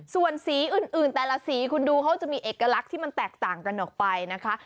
ส่วนสีอื่นแต่ละสีคุณดูเขาจะมีเอกลักษณ์ที่มันแตกต่างกันออกไปนะคะ